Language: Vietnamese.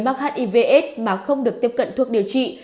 mắc hiv aids mà không được tiếp cận thuốc điều trị